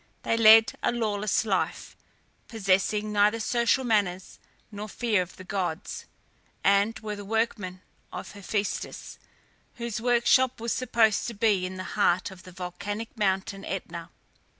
They led a lawless life, possessing neither social manners nor fear of the gods, and were the workmen of Hephæstus, whose workshop was supposed to be in the heart of the volcanic mountain Ætna.